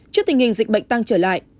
trước tình hình dịch bệnh tăng trở lại